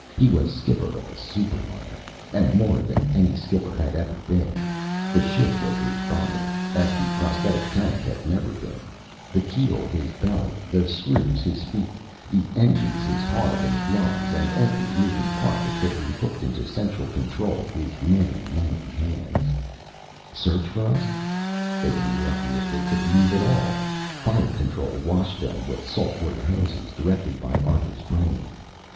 He was skipper of a superliner, and more than any skipper had ever been the ship was his body, as the prosthetic tank had never been; the keel his belly, the screws his feet, the engines his heart and lungs, and every moving part that could be hooked into central control his many, many hands. Search for us? They were lucky they could move at all! Fire Control washed them with salt water hoses, directed by Arthur's brain.